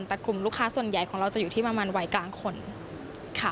แต่กลุ่มลูกค้าส่วนใหญ่ของเราจะอยู่ที่ประมาณวัยกลางคนค่ะ